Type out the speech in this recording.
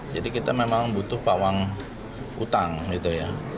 jadi kita memang butuh pawang utang gitu ya